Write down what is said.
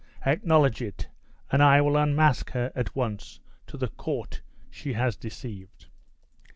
Acknowledge it, and I will unmask her at once to the court she has deceived."